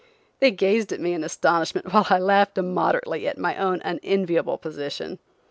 They gazed at me in astonishment, while I laughed immoderately at my own unenviable position.